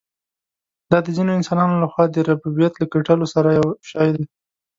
دا د ځینو انسانانو له خوا د ربوبیت له ګټلو سره یو شی دی.